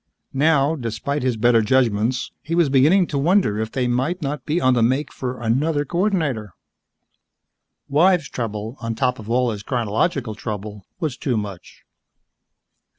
Now, despite his better judgments, he was beginning to wonder if they might not be on the make for another coordinator. Wives trouble, on top of all his chronological trouble, was too much.